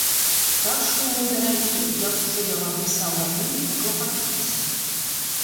Так што, мой дарагі, як ужо я вам пісаў раней, паклапаціцеся.